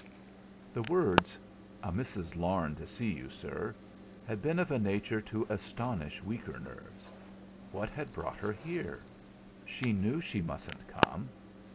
3 The words: "A Mrs. Larne to see you, sir," had been of a nature to astonish weaker nerves. What had brought her here? She knew she mustn't come!